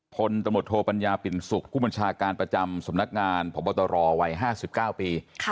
พลตมธโปรปัญญาปินศุกร์กุมัญชาการประจำสมนักงานพระบัตรรอวัย๕๙ปี